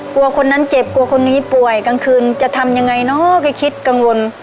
กลัวคนนั้นเจ็บกลัวคนนี้ป่วยกลางคืนจะทำยังไงเนอะแกคิดกังวล